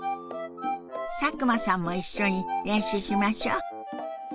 佐久間さんも一緒に練習しましょ。